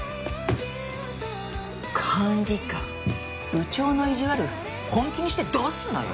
管理官部長の意地悪本気にしてどうするのよ！